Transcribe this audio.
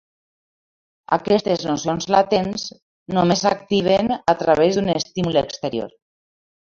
Aquestes nocions latents només s'activen a través d'un estímul exterior.